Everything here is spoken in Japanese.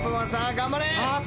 頑張れ！